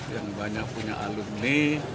yang banyak punya alumni